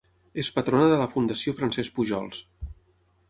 És patrona de la Fundació Francesc Pujols.